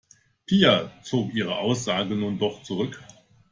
Pia zog ihre Aussage nun doch zurück.